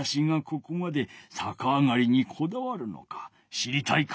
知りたいか？